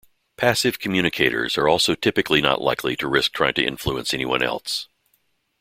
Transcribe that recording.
Passive communicators are also typically not likely to risk trying to influence anyone else.